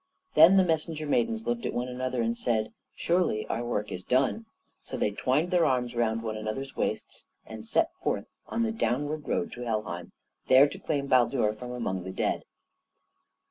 Then the messenger maidens looked at one another and said, "Surely our work is done." So they twined their arms round one another's waists, and set forth on the downward road to Helheim, there to claim Baldur from among the dead.